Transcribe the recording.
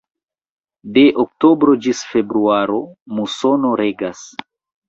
De oktobro ĝis februaro musono regas.